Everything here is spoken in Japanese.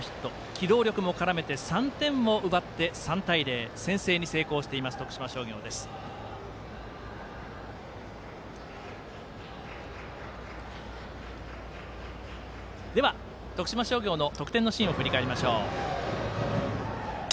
機動力も絡めて３点も奪って３対０先制に成功しています、徳島商業。では、徳島商業の得点のシーンを振り返りましょう。